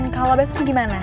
kalau besok gimana